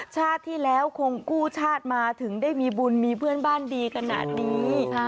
ชาติที่แล้วคงกู้ชาติมาถึงได้มีบุญมีเพื่อนบ้านดีขนาดนี้